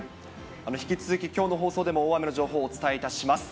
引き続ききょうの放送でも大雨の情報、お伝えいたします。